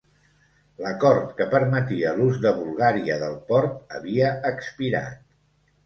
L'acord que permetia l'ús de Bulgària del port havia expirat.